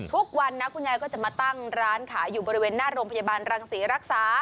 ทุกวันนะคุณยายก็จะมาตั้งร้านขายอยู่บริเวณหน้าโรงพยาบาลรังศรีรักษา